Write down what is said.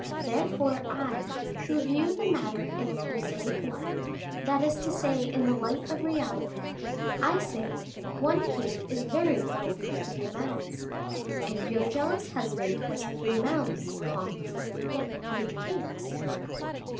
Therefore, I, who view the matter in a prosaic light, that is to say in the light of reality, I say: one cake is very little for three mouths. If your jealous husband has three mouths, comte, get three cakes."